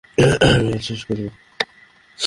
আমি কাজ শেষ করব।